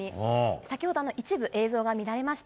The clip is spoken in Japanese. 先ほど一部映像が乱れました。